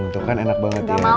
untuk kan enak banget ya